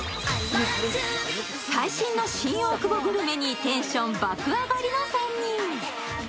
最新の新大久保グルメにテンション爆上がりの３人。